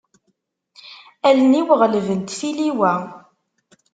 Allen-iw ɣelbent tiliwa.